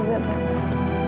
tidak ada als uru